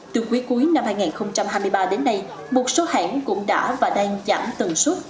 từ cuối cuối năm hai nghìn hai mươi ba đến nay một số hãng cũng đã và đang giảm tầng suất